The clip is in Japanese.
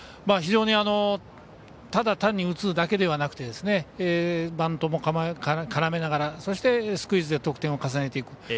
非常にただ単に打つだけではなくてバントも絡めながらそしてスクイズで得点を重ねていく。